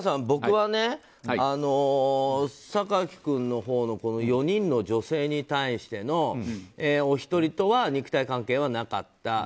僕は榊君のほうの４人の女性に対してのお一人とは肉体関係はなかった。